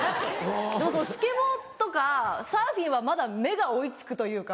スケボーとかサーフィンはまだ目が追い付くというか。